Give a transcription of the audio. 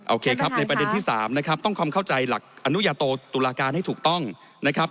โอเคครับในประเด็นที่๓นะครับต้องความเข้าใจหลักอนุญาโตตุลาการให้ถูกต้องนะครับ